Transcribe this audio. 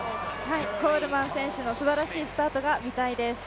コールマン選手のすばらしいスタートが見たいです。